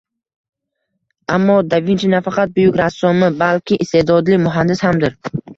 Ammo Da Vinchi nafaqat buyuk rassomi, balki iste’dodli muhandis hamdir.